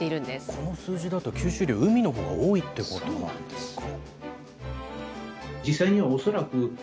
この数字だと、吸収量、海のほうが多いってことなんですか。